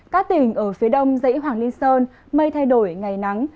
các tỉnh ở phía đông dãy hoàng liên sơn mây thay đổi ngày nắng